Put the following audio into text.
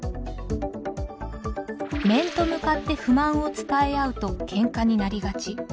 面と向かって不満を伝え合うとけんかになりがち。